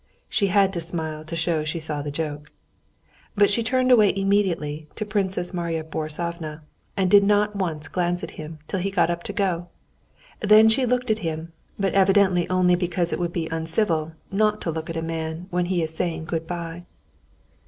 (She had to smile to show she saw the joke.) But she turned away immediately to Princess Marya Borissovna, and did not once glance at him till he got up to go; then she looked at him, but evidently only because it would be uncivil not to look at a man when he is saying good bye.